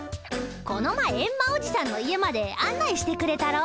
この前エンマおじさんの家まで案内してくれたろ？